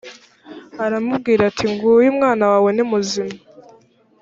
aramubwira ati nguyu umwana wawe ni muzima